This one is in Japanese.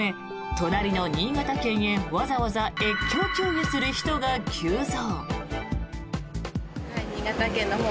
隣の新潟県へわざわざ越境給油する人が急増。